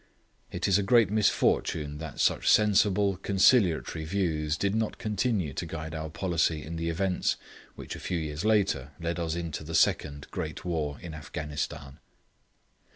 It is a great misfortune that such sensible, conciliatory views did not continue to guide our policy in the events which a few years later led us into the second great war in Afghanistan.